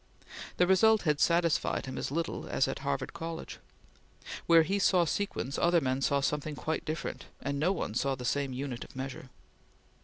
The result had satisfied him as little as at Harvard College. Where he saw sequence, other men saw something quite different, and no one saw the same unit of measure.